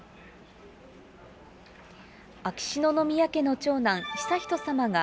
秋篠宮家の長男、悠仁さまが、